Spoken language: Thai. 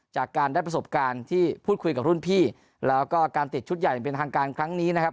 จากการได้ประสบการณ์ที่พูดคุยกับรุ่นพี่แล้วก็การติดชุดใหญ่อย่างเป็นทางการครั้งนี้นะครับ